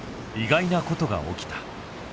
意外なことが起きた。